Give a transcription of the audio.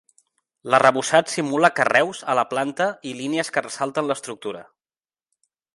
L'arrebossat simula carreus a la planta i línies que ressalten l'estructura.